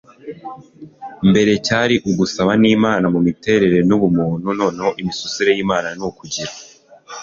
mbere cyari ugusa n'imana mu miterere ni ubumuntu. noneho imisusire y' imana ni ukugira